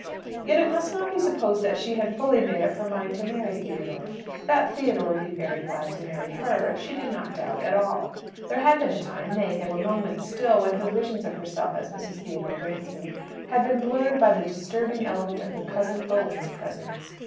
Yet it must not be supposed that she had fully made up her mind to marry Theodore. That Theodore would be very glad to marry her she did not doubt at all. There had been a time nay, there were moments still when her visions of herself as Mrs. Theodore Bransby had been blurred by the disturbing element of her cousin Owen's presence.